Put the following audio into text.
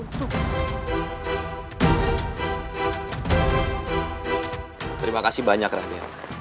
terima kasih banyak radyat